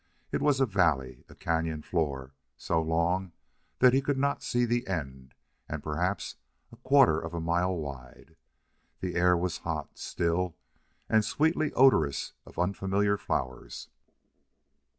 It was a valley, a cañon floor, so long that he could not see the end, and perhaps a quarter of a mile wide. The air was hot, still, and sweetly odorous of unfamiliar flowers.